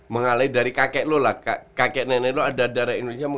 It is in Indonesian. mengalih dari kakek lu lah kakek nenek lu ada darah indonesia